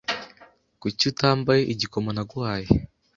Kuki utambaye igikomo naguhaye?